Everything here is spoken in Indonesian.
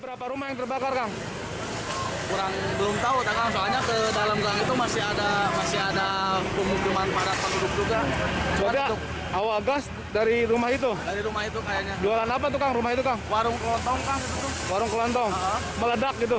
akhirnya dapurnya dari atas langsung gede gitu